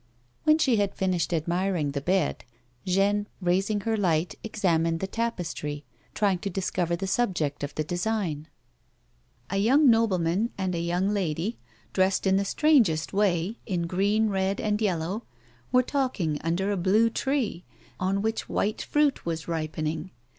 "When she had finished admiring the bed, Jeanne, raising her light, examined the tapestry, trying to discover the sub ject of the design. A young nobleman and a young lady, dressed in the strangest way in green, red, and yellow, were talking under 14 A WOMAN'S LIFE. a blue tree on which white fruit was ripening.